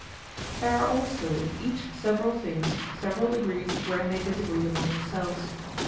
There are also in each several things several degrees wherein they disagree among themselves.